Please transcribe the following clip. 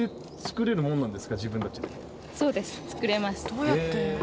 どうやって？